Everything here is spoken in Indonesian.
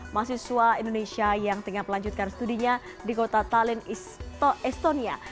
mahasiswa indonesia yang tengah melanjutkan studinya di kota talin estonia